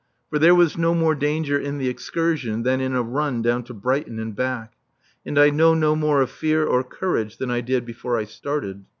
For there was no more danger in the excursion than in a run down to Brighton and back; and I know no more of fear or courage than I did before I started.